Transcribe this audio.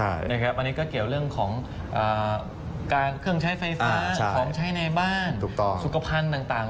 อันนี้ก็เกี่ยวเรื่องของการเครื่องใช้ไฟฟ้าของใช้ในบ้านสุขภัณฑ์ต่าง